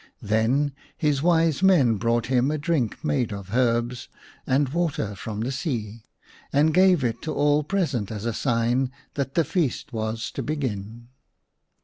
Then his wise men brought him a drink made of herbs and water from the sea, and gave it to all present as a sign that the feast was to begin.